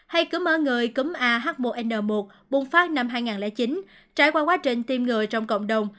hay cúm ở người cúm ah một n một bùng phát năm hai nghìn chín trải qua quá trình tiêm ngừa trong cộng đồng